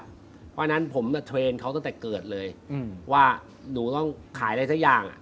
เพราะฉะนั้นผมเทรนด์เขาตั้งแต่เกิดเลยว่าหนูต้องขายอะไรสักอย่าง